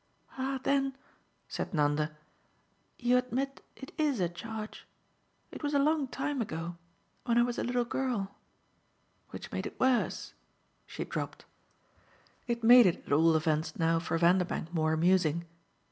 "Ah then," said Nanda, "you admit it IS a charge. It was a long time ago when I was a little girl. Which made it worse!" she dropped. It made it at all events now for Vanderbank more amusing.